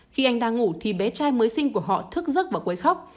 khi anh đang ngủ thì bé trai mới sinh của họ thức giấc và quấy khóc